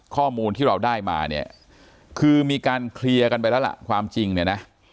ข้อมูลที่เราได้มาเนี่ยคือมีการเคลียร์กันไปแล้วล่ะความจริงเนี่ยนะ